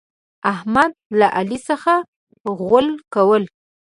احمد له علي څخه غول کول.